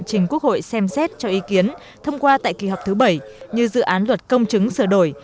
trình quốc hội xem xét cho ý kiến thông qua tại kỳ họp thứ bảy như dự án luật công chứng sửa đổi